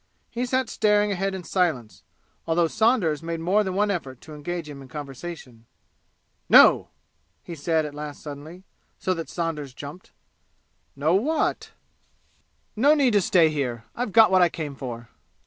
He sat staring ahead in silence, although Saunders made more than one effort to engage him in conversation. "No!" he said at last suddenly so that Saunders jumped. "No what?" "No need to stay here. I've got what I came for!"